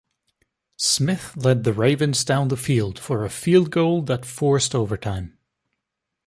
Smith led the Ravens down the field for a field goal that forced overtime.